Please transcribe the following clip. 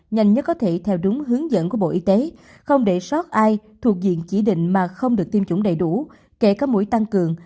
nhanh nhất có thể theo đúng hướng dẫn của bộ y tế không để sót ai thuộc diện chỉ định mà không được tiêm chủng đầy đủ kể các mũi tăng cường